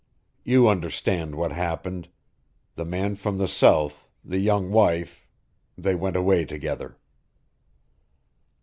You understand what happened. The man from the south the young wife they went away together."